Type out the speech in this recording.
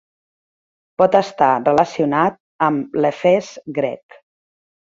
Pot estar relacionat amb l'Hefest grec.